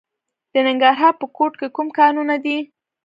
د ننګرهار په کوټ کې کوم کانونه دي؟